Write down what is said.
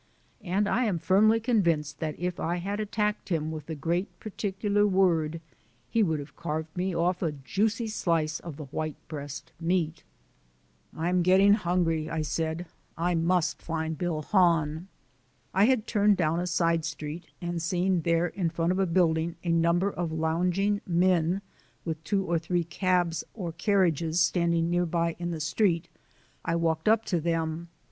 And I am firmly convinced that if I had attacked him with the Great Particular Word he would have carved me off a juicy slice of the white breast meat. "I'm getting hungry," I said; "I must find Bill Hahn!" I had turned down a side street, and seeing there in front of a building a number of lounging men with two or three cabs or carriages standing nearby in the street I walked up to them.